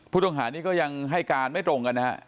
ผู้ต้องหานี้ก็ยังให้การไม่ตรงกันนะฮะ